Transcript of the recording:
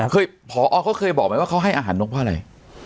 คุยห์อเขาเคยบอกว่าเขาให้อาหารนกว่าอะไร